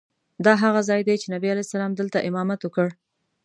دا هغه ځای دی چې نبي علیه السلام دلته امامت وکړ.